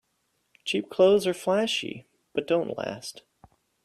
Cheap clothes are flashy but don't last.